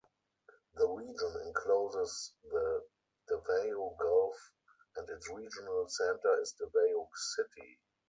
The region encloses the Davao Gulf and its regional center is Davao City.